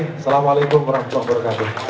assalamualaikum warahmatullahi wabarakatuh